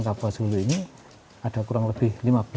kabasulu ini ada kurang lebih